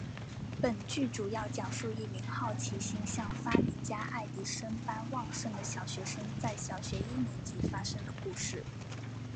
本剧主要讲述一名好奇心像发明家爱迪生般旺盛的小学生在小学一年级发生的故事。